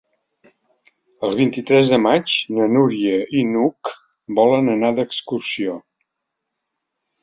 El vint-i-tres de maig na Núria i n'Hug volen anar d'excursió.